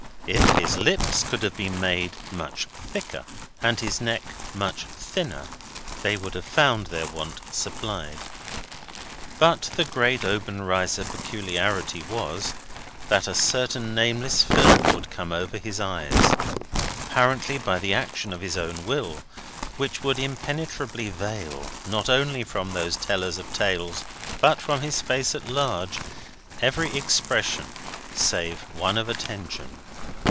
If his lips could have been made much thicker, and his neck much thinner, they would have found their want supplied. But the great Obenreizer peculiarity was, that a certain nameless film would come over his eyes apparently by the action of his own will which would impenetrably veil, not only from those tellers of tales, but from his face at large, every expression save one of attention.